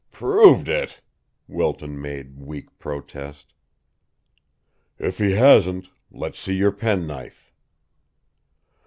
"Proved it!" Wilton made weak protest. "If he hasn't, let's see your penknife."